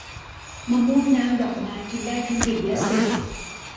มะม่วงน้ำดอกไม้ กินได้ทั้งดิบและสุก